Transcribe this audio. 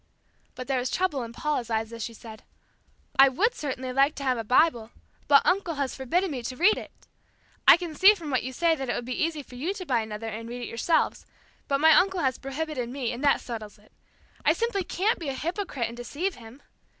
But there was trouble in Paula's eyes as she said, "I would certainly like to have a Bible, but uncle has forbidden me to read it. I can see from what you say that it would be easy for you to buy another and read it yourselves, but my uncle has prohibited me and that settles it. I simply can't be a hypocrite and deceive him.